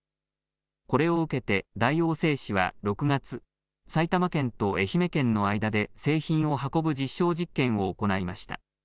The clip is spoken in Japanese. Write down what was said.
これを受けて大王製紙は６月、埼玉県と愛媛県の間で製品を運ぶ実証実験を行いました。